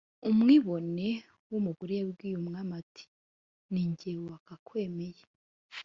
Umwibone (inshiziyamanga) w’umugore yabwiye umwami ati nijye wakakwemeye.